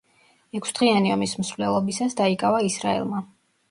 ექვსდღიანი ომის მსვლელობისას დაიკავა ისრაელმა.